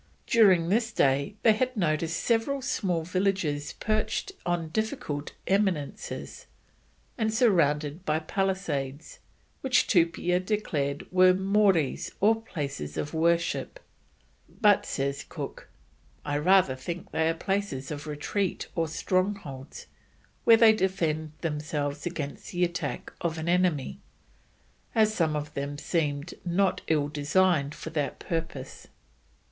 During this day they had noticed several small villages perched on difficult eminences and surrounded by palisades, which Tupia declared were "Mories or places of worship," but, says Cook: "I rather think they are places of retreat or strongholds, where they defend themselves against the attack of an enemy, as some of them seem'd not ill design'd for that purpose."